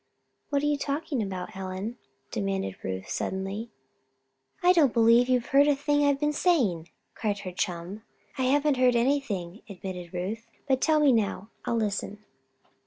"What are you talking about, Helen?" demanded Ruth, suddenly. "I don't believe you've heard a thing I've been saying," cried her chum. "I haven't heard everything," admitted Ruth. "But tell me now; I'll listen."